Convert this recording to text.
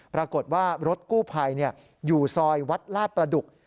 ปรากฏว่ารถกู้ภัยอยู่ซอยวัดลาดประดุก